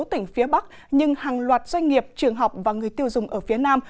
sáu tỉnh phía bắc nhưng hàng loạt doanh nghiệp trường học và người tiêu dùng ở phía nam